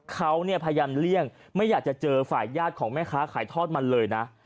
เขาเนี่ยพยายามเลี่ยงไม่อยากจะเจอฝ่ายญาติของแม่ค้าขายทอดมันเลยนะ